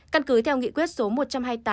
căn cứ theo nghị quyết số một trăm hai mươi tám